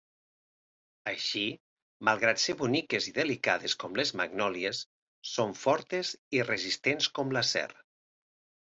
Així, malgrat ser boniques i delicades com les magnòlies, són fortes i resistents com l'acer.